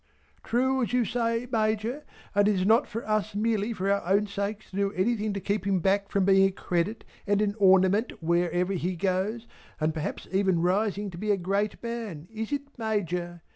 "True as you say Major, and it is not for us merely for our own sakes to do anything to keep him back from being a credit and an ornament wherever he goes and perhaps even rising to be a great man, is it Major?